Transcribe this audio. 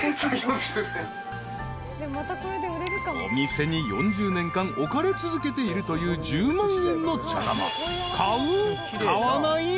［お店に４０年間置かれ続けているという１０万円の茶釜］